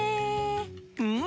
うん！